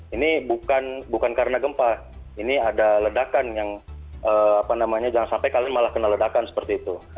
ini bukan karena gempa ini ada ledakan yang apa namanya jangan sampai kalian malah kena ledakan seperti itu